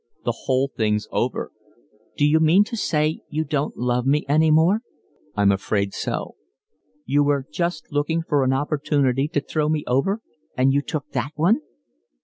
The whole thing's over." "D'you mean to say you don't love me any more?" "I'm afraid so." "You were just looking for an opportunity to throw me over and you took that one?"